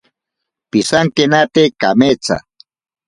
Pisankenate kametsa.